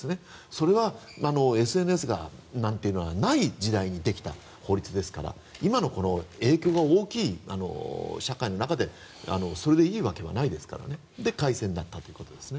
それはＳＮＳなんてない時代にできた法律ですから今の影響が大きい社会の中でそれでいいわけはないですからねで、改正になったということですね。